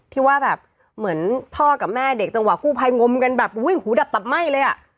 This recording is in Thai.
ที่ว่าแบบเหมือนพ่อกับแม่เด็กจังหวะกู้ภัยงมกันแบบอุ้ยหูดับตับไหม้เลยอ่ะ